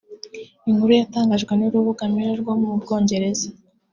Inkuru yatanganjwe n’urubuga Mirror rwo mu Bwongereza